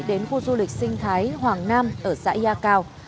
đến khu du lịch sinh thái hoàng nam ở xã yatio